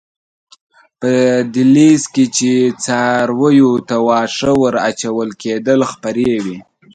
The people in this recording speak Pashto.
په دهلېز کې چې څارویو ته واښه ور اچول کېدل خپرې وې.